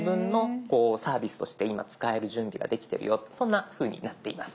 そんなふうになっています。